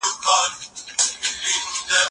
د جرګي د کمیټو مشران څوک دي؟